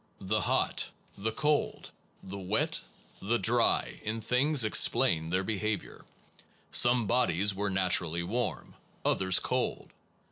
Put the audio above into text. The hot, the cold, the wet, the dry in things explained their behavior. Some bodies were naturally warm, others cold.